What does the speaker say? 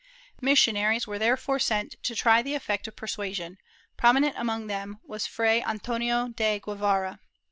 ^ Missionaries were therefore sent to try the effect of persua sion, prominent among whom was Fray Antonio de Guevara.